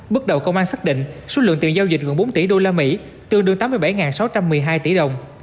bước đầu công an xác định số lượng tiền giao dịch gần bốn tỷ usd tương đương tám mươi bảy sáu trăm một mươi hai tỷ đồng